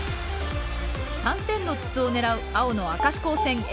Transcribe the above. ３点の筒を狙う青の明石高専Ａチーム。